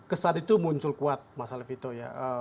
kesat itu muncul kuat mas halif ito ya